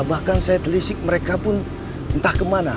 bahkan saya telisik mereka pun entah kemana